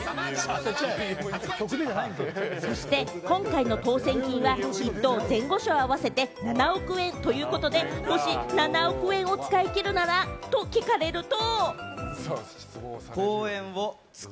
そして今回の当選金は、１等・前後賞合わせて７億円ということで、もし７億円を使い切るならと聞かれると。